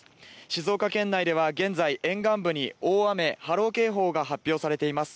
静岡県内では現在、沿岸部に大雨・波浪警報が発表されています。